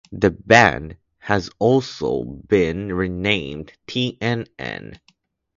The band has also been renamed T and N.